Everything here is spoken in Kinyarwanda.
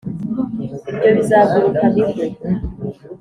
ibyo bizaguruka bigwe